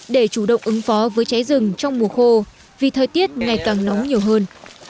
để chủ động ứng phó với cháy rừng trong mùa khô vì thời tiết ngày càng nóng nhiều hơn